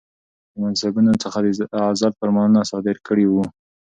د منصبونو څخه د عزل فرمانونه صادر کړي ؤ